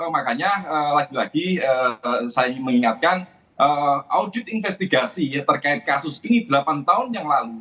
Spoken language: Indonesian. makanya lagi lagi saya mengingatkan audit investigasi terkait kasus ini delapan tahun yang lalu